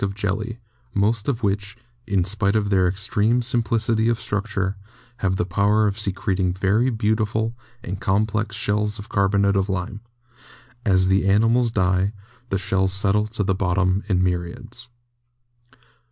RECONSTRUCTIVE PROCESSES 157 of jelly, most of which, in spite of their extreme simplicity of structure, have the power of secreting very beautiful and complex shells of carbonate of lime. As the animals die the shells settle to the bottom in myriads.